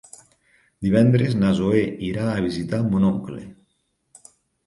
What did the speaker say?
Divendres na Zoè irà a visitar mon oncle.